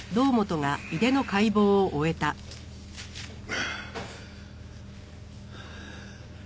はあ。